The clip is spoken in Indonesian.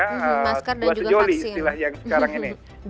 masker dan juga vaksin